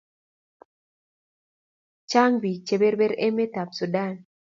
Chang pik che berber emet ab sudan